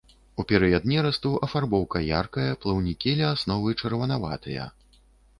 У перыяд нерасту афарбоўка яркая, плаўнікі ля асновы чырванаватыя.